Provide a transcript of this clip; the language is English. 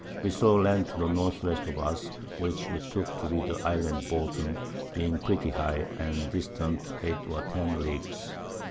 We saw Land to the N.W. of us, which we took to be the Island Bouton, being pretty high, and distant 8 or 10 Leagues.